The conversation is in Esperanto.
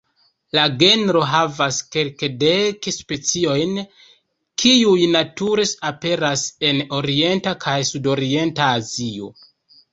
La genro havas kelkdek speciojn, kiuj nature aperas en orienta kaj sudorienta Azio.